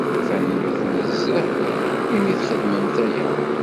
Tanemmirt nezzeh imi txedmemt aya.